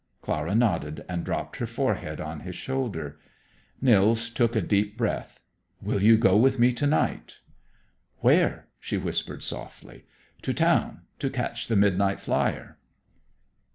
Clara nodded, and dropped her forehead on his shoulder. Nils took a deep breath. "Will you go with me to night?" "Where?" she whispered softly. "To town, to catch the midnight flyer."